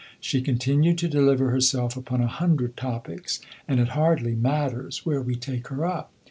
She continued to deliver herself upon a hundred topics, and it hardly matters where we take her up.